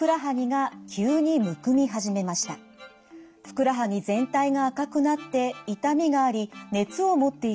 ふくらはぎ全体が赤くなって痛みがあり熱を持っているようです。